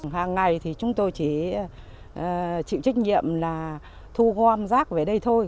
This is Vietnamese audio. hàng ngày thì chúng tôi chỉ chịu trách nhiệm là thu gom rác về đây thôi